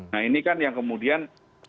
nah ini kan yang kemudian